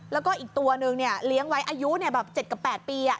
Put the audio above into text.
แล้วก็อีกตัวหนึ่งเนี้ยเลี้ยงไว้อายุเนี้ยแบบเจ็ดกับแปดปีอ่ะ